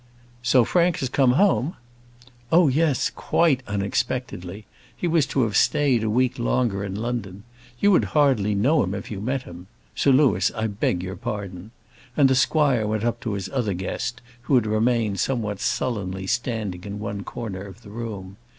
"So Frank has come home?" "Oh, yes; quite unexpectedly. He was to have stayed a week longer in London. You would hardly know him if you met him. Sir Louis, I beg your pardon." And the squire went up to his other guest, who had remained somewhat sullenly standing in one corner of the room.